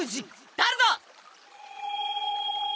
誰だ！？